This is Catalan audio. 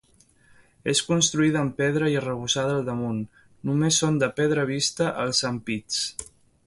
És construïda amb pedra i arrebossada al damunt, només són de pedra vista els ampits.